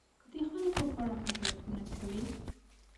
که د خلکو په اړه قضاوتونه کوئ.